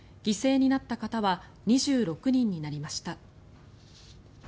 犠牲になった方は２６人になりました。